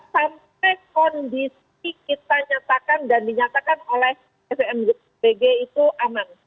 sampai kondisi kita nyatakan dan dinyatakan oleh svmbg itu aman